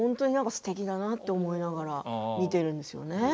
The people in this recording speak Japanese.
すてきだなと思いながら見ているんです。